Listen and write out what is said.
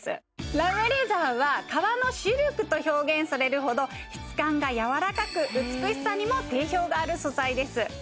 ラムレザーは革のシルクと表現されるほど質感が柔らかく美しさにも定評がある素材です